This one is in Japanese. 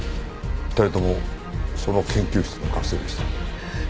２人ともその研究室の学生でした。